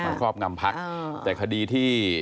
เหมาะครอบค์นำพักแต่คดีที่